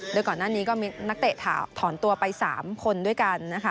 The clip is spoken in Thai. โดยก่อนหน้านี้ก็มีนักเตะถอนตัวไป๓คนด้วยกันนะคะ